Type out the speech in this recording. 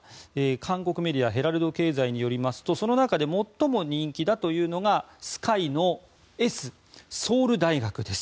韓国メディアヘラルド経済によりますとその中で最も人気だというのがＳＫＹのＳソウル大学です。